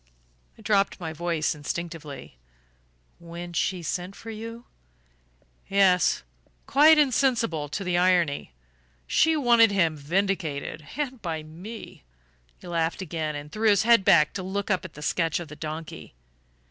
I dropped my voice instinctively. "When she sent for you?" "Yes quite insensible to the irony. She wanted him vindicated and by me!" He laughed again, and threw back his head to look up at the sketch of the donkey.